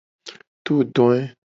Todoe.